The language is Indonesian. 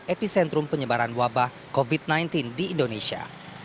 epicentrum penyebaran wabah covid sembilan belas di indonesia